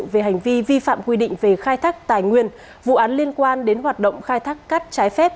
về hành vi vi phạm quy định về khai thác tài nguyên vụ án liên quan đến hoạt động khai thác cát trái phép